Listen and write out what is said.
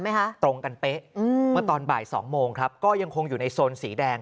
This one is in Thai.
๑๘๓มั้ยคะตรงกันเป๊ะเมื่อตอนบ่ายโมงครับก็ยังคงอยู่ในโซนสีแดง